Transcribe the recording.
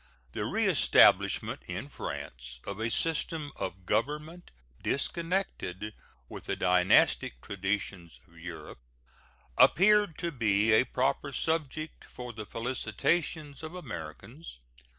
The reestablishment in France of a system of government disconnected with the dynastic traditions of Europe appeared to be a proper subject for the felicitations of Americans.